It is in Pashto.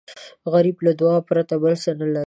غریب له دعا پرته بل څه نه لري